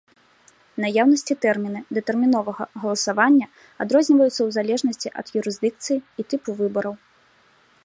Наяўнасць і тэрміны датэрміновага галасавання адрозніваюцца ў залежнасці ад юрысдыкцыі і тыпу выбараў.